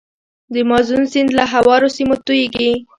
د مازون سیند له هوارو سیمو تویږي.